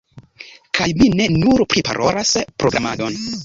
Kaj mi ne nur priparolas programadon